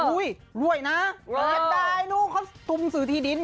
อุ้ยรวยนะยังได้นู่งเขาทุ่มสื่อที่ดิน